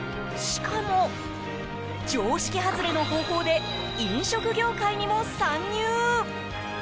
しかも、常識外れの方法で飲食業界にも参入。